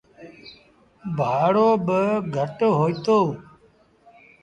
ڀآڙو با گھٽ هوئيٚتو۔